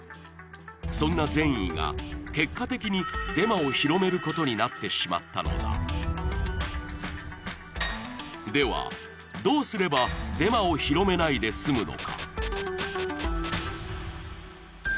そんな善意が結果的になってしまったのだではどうすればデマを広めないで済むのか？